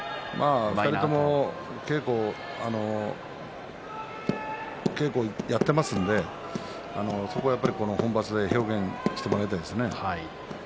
２人とも稽古をやっていますので本場所で表現してもらいたいですね。